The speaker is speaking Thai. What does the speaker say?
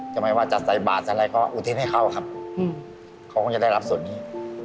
เพราะว่าจากใส่บาทก็อุทิษฐ์ให้เค้าเค้าก็จะได้รับส่วนนี้